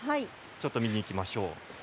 ちょっと見に行きましょう。